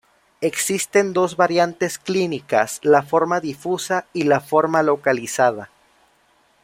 Existen dos variantes clínicas: la forma difusa y la forma localizada.